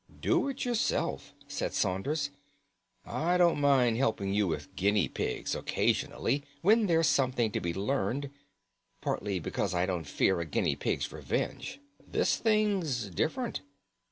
"Do it yourself," said Saunders. "I don't mind helping you with guinea pigs occasionally when there's something to be learned; partly because I don't fear a guinea pig's revenge. This thing's different."